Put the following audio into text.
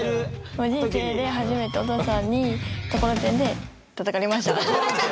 もう人生で初めてお父さんにところてんでたたかれました。